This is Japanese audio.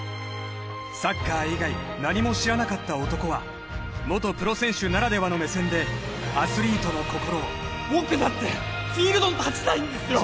サッカー以外何も知らなかった男は元プロ選手ならではの目線でアスリートの心を僕だってフィールドに立ちたいんですよ！